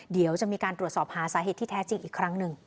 เดี๋ยวจะมีการตรวจสอบหาสาเหตุที่แท้จริงอีกครั้งหนึ่ง